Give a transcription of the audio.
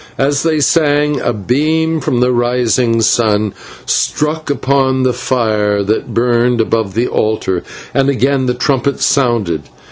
As they sang, a beam from the rising sun struck upon the fire that burned above the altar, and again the trumpet sounded.